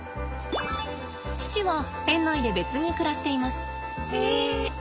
父は園内で別に暮らしています。